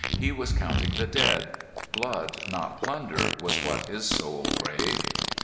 He was counting the dead. Blood, not plunder, was what his soul craved.